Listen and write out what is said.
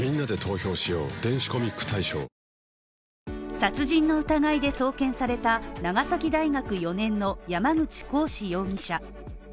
殺人の疑いで送検された長崎大学４年の山口鴻志容疑者。